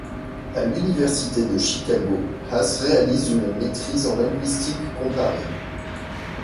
À l'université de Chicago, Haas réalise une maîtrise en linguistique comparée.